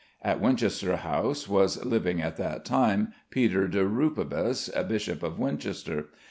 At Winchester House was living at that time Peter de Rupibus, Bishop of Winchester.